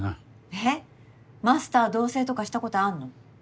えっマスター同棲とかしたことあんの？